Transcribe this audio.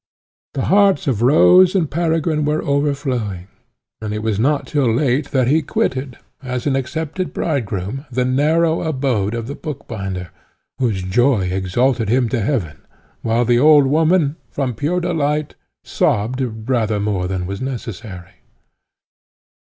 The hearts of Rose and Peregrine were overflowing, and it was not till late that he quitted, as an accepted bridegroom, the narrow abode of the bookbinder, whose joy exalted him to heaven, while the old woman, from pure delight, sobbed rather more than was necessary.